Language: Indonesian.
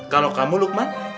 kalau kamu lukman